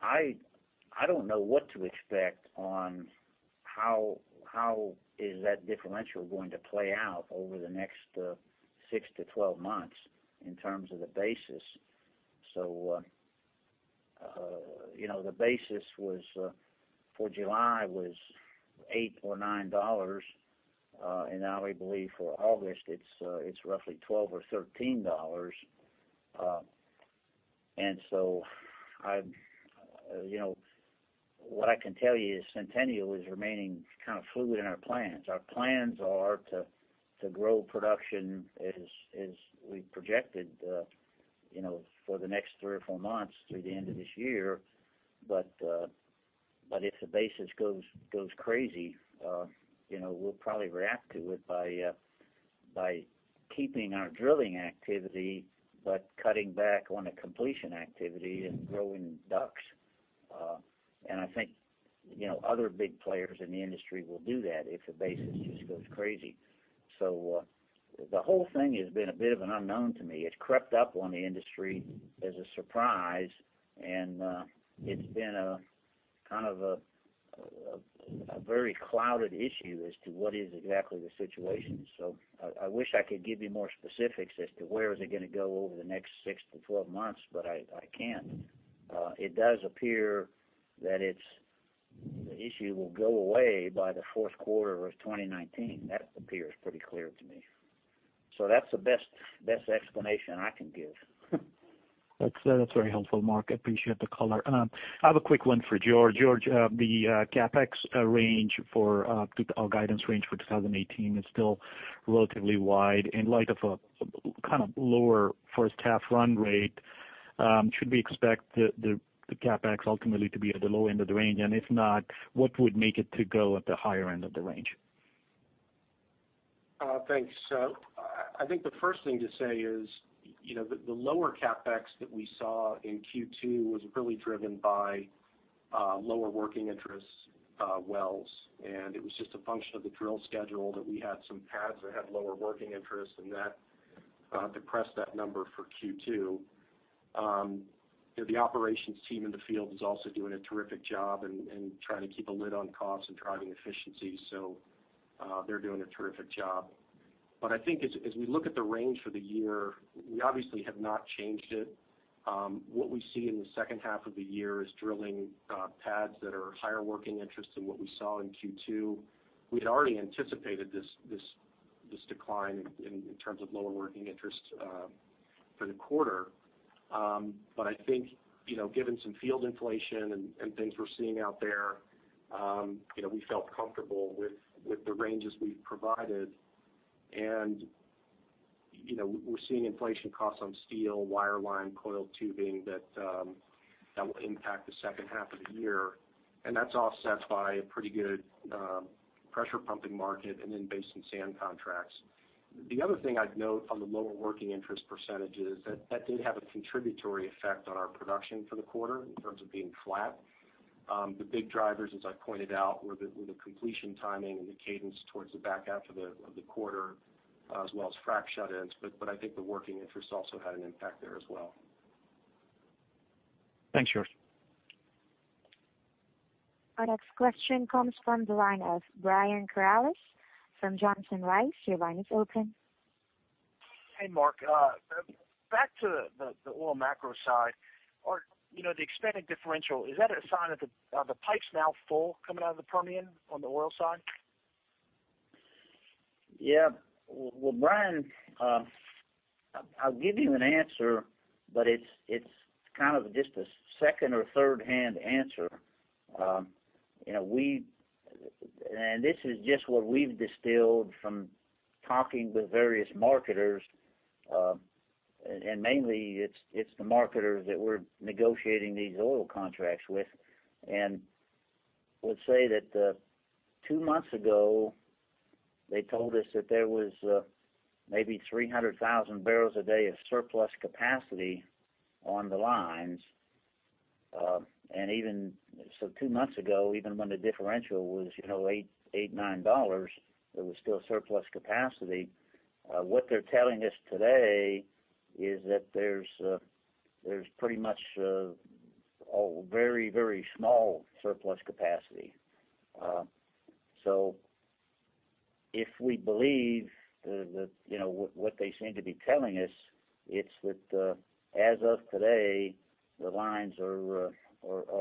I don't know what to expect on how is that differential going to play out over the next 6 to 12 months in terms of the basis. The basis for July was $8 or $9. Now we believe for August it's roughly $12 or $13. What I can tell you is Centennial is remaining kind of fluid in our plans. Our plans are to grow production as we projected for the next three or four months through the end of this year. If the basis goes crazy, we'll probably react to it by keeping our drilling activity, but cutting back on the completion activity and growing DUCs. I think other big players in the industry will do that if the basis just goes crazy. The whole thing has been a bit of an unknown to me. It crept up on the industry as a surprise, and it's been a very clouded issue as to what is exactly the situation. I wish I could give you more specifics as to where is it going to go over the next six to 12 months, but I can't. It does appear that the issue will go away by the fourth quarter of 2019. That appears pretty clear to me. That's the best explanation I can give. That's very helpful, Mark. I appreciate the color. I have a quick one for George. George, the CapEx range for our guidance range for 2018 is still relatively wide. In light of a lower first half run rate, should we expect the CapEx ultimately to be at the low end of the range? If not, what would make it to go at the higher end of the range? Thanks. I think the first thing to say is, the lower CapEx that we saw in Q2 was really driven by lower working interest wells, it was just a function of the drill schedule that we had some pads that had lower working interest, that depressed that number for Q2. The operations team in the field is also doing a terrific job and trying to keep a lid on costs and driving efficiency. They're doing a terrific job. I think as we look at the range for the year, we obviously have not changed it. What we see in the second half of the year is drilling pads that are higher working interest than what we saw in Q2. We had already anticipated this decline in terms of lower working interest for the quarter. I think, given some field inflation and things we're seeing out there, we felt comfortable with the ranges we've provided. We're seeing inflation costs on steel, wireline, coil tubing that will impact the second half of the year, that's offset by a pretty good pressure pumping market and in basin sand contracts. The other thing I'd note on the lower working interest percentage is that did have a contributory effect on our production for the quarter in terms of being flat. The big drivers, as I pointed out, were the completion timing and the cadence towards the back half of the quarter, as well as frac shut-ins. I think the working interest also had an impact there as well. Thanks, George. Our next question comes from the line of Brian Corales from Johnson Rice. Your line is open. Hey, Mark. Back to the oil macro side, the expanding differential, is that a sign of the pipe's now full coming out of the Permian on the oil side? Yeah. Well, Brian, I'll give you an answer, but it's just a second or third-hand answer. This is just what we've distilled from talking with various marketers. Mainly it's the marketers that we're negotiating these oil contracts with, and would say that two months ago, they told us that there was maybe 300,000 barrels a day of surplus capacity on the lines. Two months ago, even when the differential was $8, $9, there was still surplus capacity. What they're telling us today is that there's pretty much a very, very small surplus capacity. If we believe what they seem to be telling us, it's that as of today, the lines are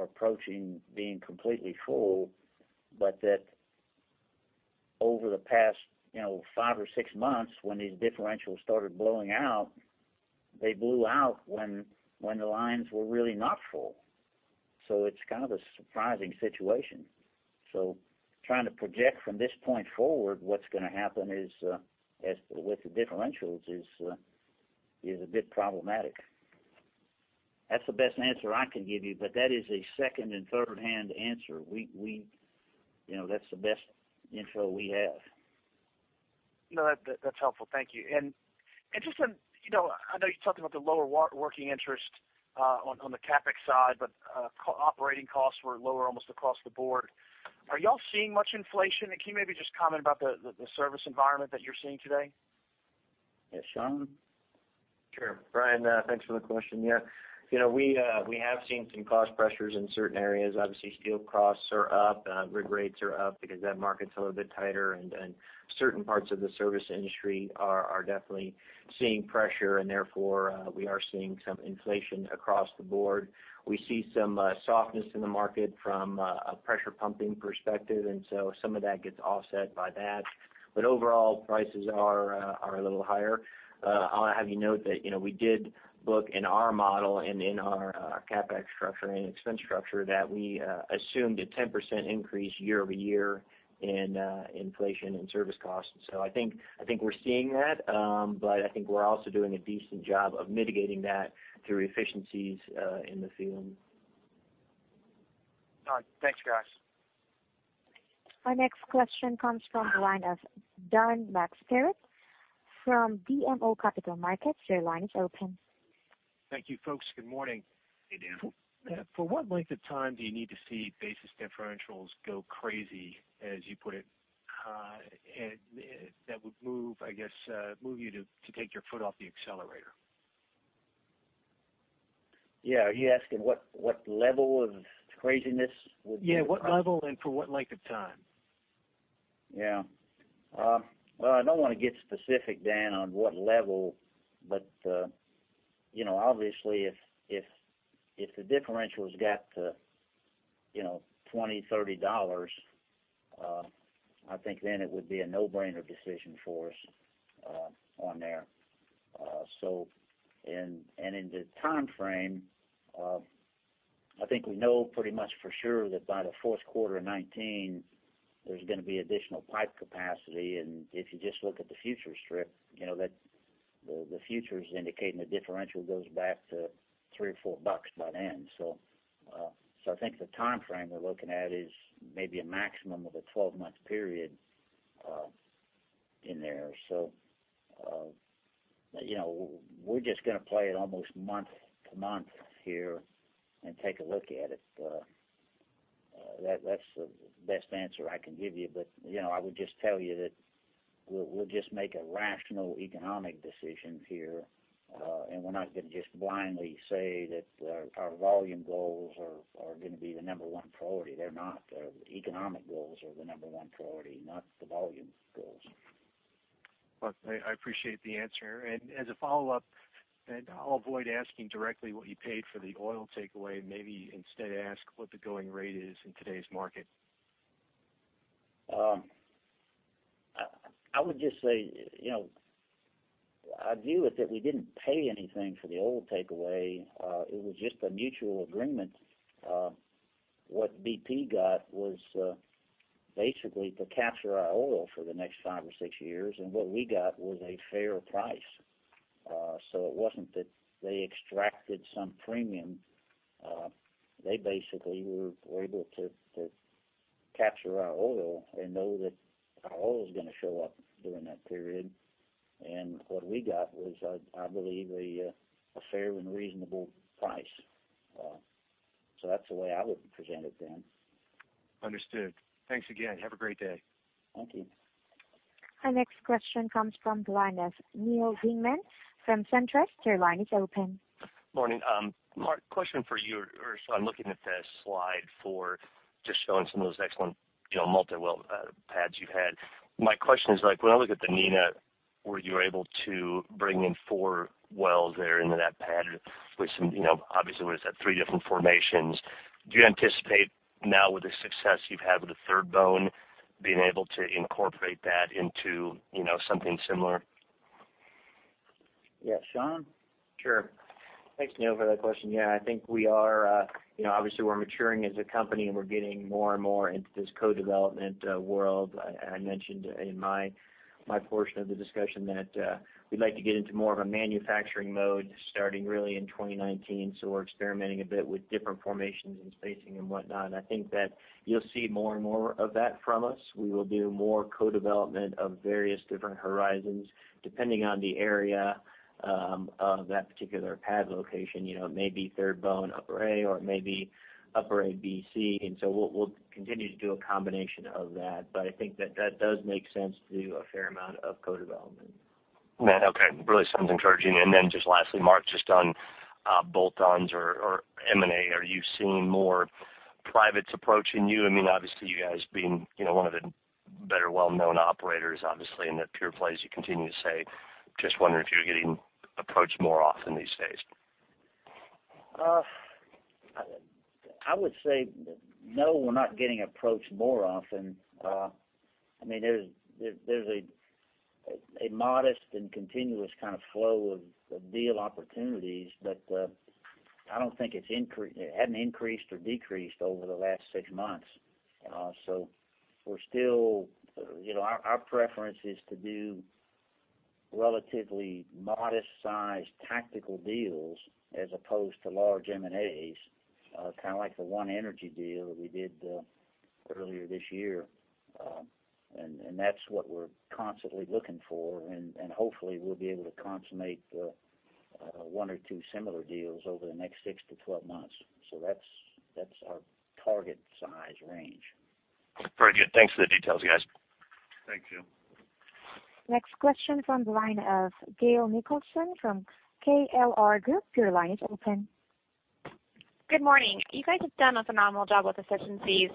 approaching being completely full, but that over the past five or six months when these differentials started blowing out, they blew out when the lines were really not full. It's a surprising situation. Trying to project from this point forward, what's going to happen with the differentials is a bit problematic. That's the best answer I can give you, but that is a second and third-hand answer. That's the best info we have. No, that's helpful. Thank you. I know you talked about the lower working interest on the CapEx side, operating costs were lower almost across the board. Are you all seeing much inflation? Can you maybe just comment about the service environment that you're seeing today? Yes. Sean? Sure. Brian, thanks for the question. Yeah, we have seen some cost pressures in certain areas. Obviously, steel costs are up, rig rates are up because that market's a little bit tighter, certain parts of the service industry are definitely seeing pressure and therefore, we are seeing some inflation across the board. We see some softness in the market from a pressure pumping perspective, some of that gets offset by that. Overall, prices are a little higher. I'll have you note that we did look in our model and in our CapEx structure and expense structure that we assumed a 10% increase year-over-year in inflation and service costs. I think we're seeing that, I think we're also doing a decent job of mitigating that through efficiencies in the field. All right. Thanks, guys. Our next question comes from the line of Dan McSpirit from BMO Capital Markets. Your line is open. Thank you, folks. Good morning. Hey, Dan. For what length of time do you need to see basis differentials go crazy, as you put it, and that would move you to take your foot off the accelerator? Yeah. Are you asking what level of craziness? Yeah, what level and for what length of time? Yeah. Well, I don't want to get specific, Dan, on what level, but obviously if the differential's got to $20, $30, I think then it would be a no-brainer decision for us on there. In the timeframe, I think we know pretty much for sure that by the fourth quarter of 2019, there's going to be additional pipe capacity, and if you just look at the futures strip, the futures indicating the differential goes back to $3 or $4 by then. I think the timeframe we're looking at is maybe a maximum of a 12-month period in there. We're just going to play it almost month to month here and take a look at it. That's the best answer I can give you. I would just tell you that we'll just make a rational economic decision here, and we're not going to just blindly say that our volume goals are going to be the number one priority. They're not. The economic goals are the number one priority, not the volume goals. Look, I appreciate the answer. As a follow-up, I'll avoid asking directly what you paid for the oil takeaway, maybe instead ask what the going rate is in today's market. I would just say, I view it that we didn't pay anything for the oil takeaway. It was just a mutual agreement. What BP got was basically to capture our oil for the next five or six years, and what we got was a fair price. It wasn't that they extracted some premium. They basically were able to capture our oil and know that our oil was going to show up during that period. What we got was, I believe, a fair and reasonable price. That's the way I would present it Dan. Understood. Thanks again. Have a great day. Thank you. Our next question comes from the line of Neal Dingmann from SunTrust. Your line is open. Morning. Mark, question for you. I'm looking at the slide four just showing some of those excellent multi-well pads you've had. My question is when I look at the Ninja, where you were able to bring in four wells there into that pad with some three different formations. Do you anticipate now with the success you've had with the Third Bone being able to incorporate that into something similar? Yeah. Sean? Thanks, Neal, for that question. I think obviously we're maturing as a company, and we're getting more and more into this co-development world. I mentioned in my portion of the discussion that we'd like to get into more of a manufacturing mode starting really in 2019. We're experimenting a bit with different formations and spacing and whatnot, and I think that you'll see more and more of that from us. We will do more co-development of various different horizons depending on the area of that particular pad location. It may be Third Bone Spring Upper A, or it may be Upper A, B, C, we'll continue to do a combination of that. I think that that does make sense to do a fair amount of co-development. Okay. Really sounds encouraging. Just lastly, Mark, just on bolt-ons or M&A, are you seeing more privates approaching you? I mean, obviously you guys being one of the better well-known operators, obviously, in the pure plays you continue to see. Just wondering if you're getting approached more often these days. I would say, no, we're not getting approached more often. There's a modest and continuous flow of deal opportunities, but I don't think it hadn't increased or decreased over the last six months. Our preference is to do relatively modest-sized tactical deals as opposed to large M&As, like the One Energy deal that we did earlier this year. That's what we're constantly looking for, and hopefully we'll be able to consummate one or two similar deals over the next six to 12 months. That's our target size range. Very good. Thanks for the details, guys. Thank you. Next question from the line of Gail Nicholson from KLR Group. Your line is open. Good morning. You guys have done a phenomenal job with efficiencies.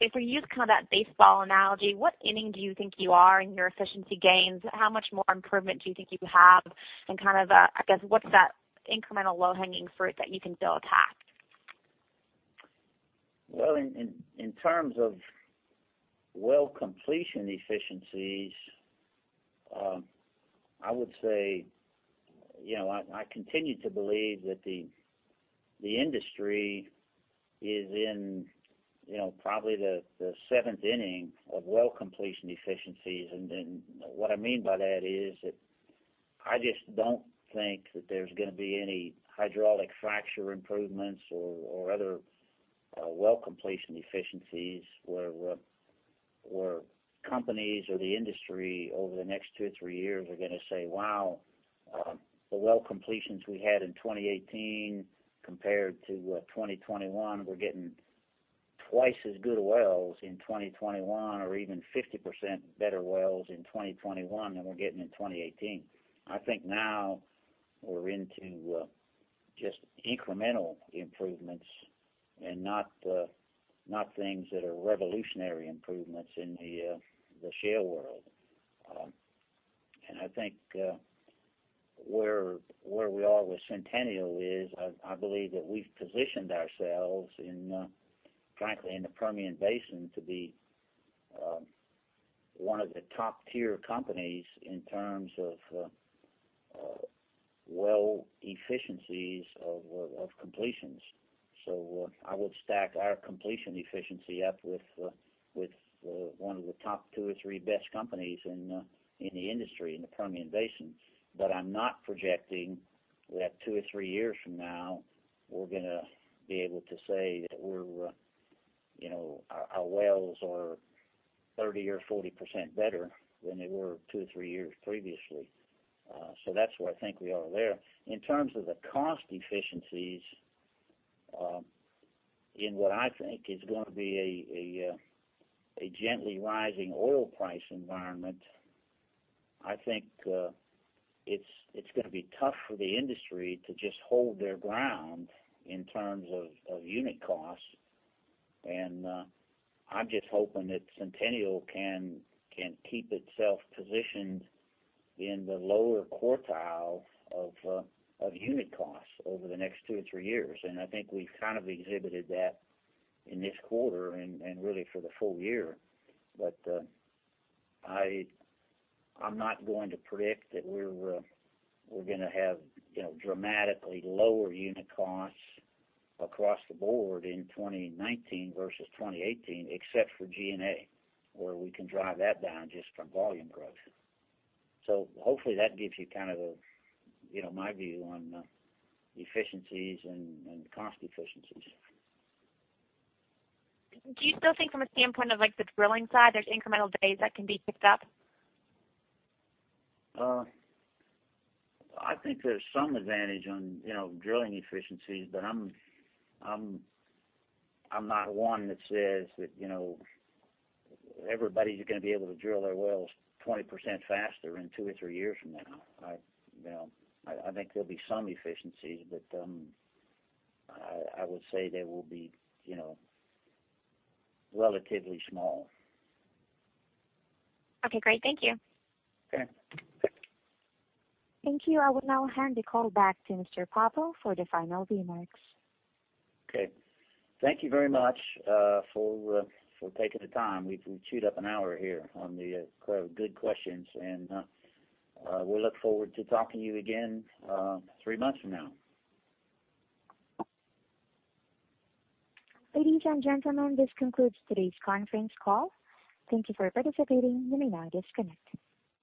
If we use that baseball analogy, what inning do you think you are in your efficiency gains? How much more improvement do you think you have and I guess what's that incremental low-hanging fruit that you can still attack? Well, in terms of well completion efficiencies, I would say I continue to believe that the industry is in probably the seventh inning of well completion efficiencies. What I mean by that is that I just don't think that there's going to be any hydraulic fracture improvements or other well completion efficiencies where companies or the industry over the next two or three years are going to say, "Wow, the well completions we had in 2018 compared to 2021, we're getting twice as good wells in 2021 or even 50% better wells in 2021 than we're getting in 2018." I think now we're into just incremental improvements and not things that are revolutionary improvements in the shale world. I think where we are with Centennial is, I believe that we've positioned ourselves frankly, in the Permian Basin to be one of the top-tier companies in terms of well efficiencies of completions. I would stack our completion efficiency up with one of the top two or three best companies in the industry, in the Permian Basin. I'm not projecting that two or three years from now, we're going to be able to say that our wells are 30% or 40% better than they were two or three years previously. That's where I think we are there. In terms of the cost efficiencies, in what I think is going to be a gently rising oil price environment, I think it's going to be tough for the industry to just hold their ground in terms of unit costs. I'm just hoping that Centennial can keep itself positioned in the lower quartile of unit costs over the next two or three years. I think we've exhibited that in this quarter and really for the full year. I'm not going to predict that we're going to have dramatically lower unit costs across the board in 2019 versus 2018, except for G&A, where we can drive that down just from volume growth. Hopefully that gives you my view on efficiencies and cost efficiencies. Do you still think from a standpoint of the drilling side, there's incremental days that can be picked up? I think there's some advantage on drilling efficiencies, I'm not one that says that everybody's going to be able to drill their wells 20% faster in two or three years from now. I think there'll be some efficiencies, I would say they will be relatively small. Okay, great. Thank you. Okay. Thank you. I will now hand the call back to Mr. Papa for the final remarks. Okay. Thank you very much for taking the time. We've chewed up an hour here on the good questions. We look forward to talking to you again three months from now. Ladies and gentlemen, this concludes today's conference call. Thank you for participating. You may now disconnect.